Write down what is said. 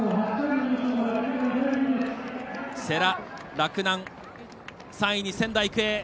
世羅、洛南、３位に仙台育英。